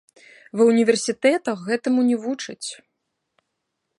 Ва ўніверсітэтах гэтаму не вучаць.